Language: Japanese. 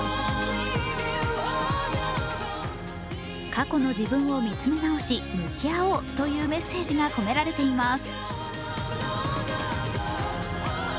過去の自分を見つめ直し、向き合おうというメッセージが込められています。